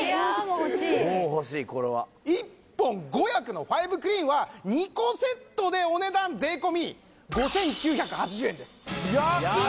１本５役のファイブクリーンは２個セットでお値段税込５９８０円です安い！